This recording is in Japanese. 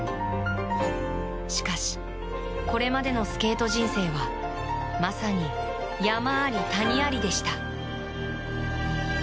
しかしこれまでのスケート人生はまさに山あり谷ありでした。